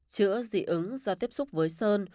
chữa dị ứng do tiếp xúc với sơn